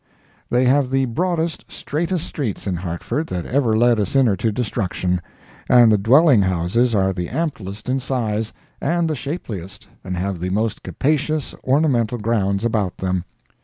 They have the broadest, straightest streets in Hartford that ever led a sinner to destruction; and the dwelling houses are the amplest in size, and the shapeliest, and have the most capacious ornamental grounds about them.